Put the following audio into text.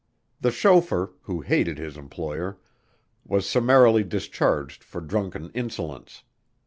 The chauffeur, who hated his employer, was summarily discharged for drunken insolence.